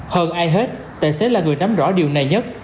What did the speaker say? hơn ai hết tài xế là người nắm rõ điều này nhất